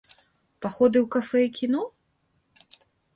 Паходы ў кафэ і кіно?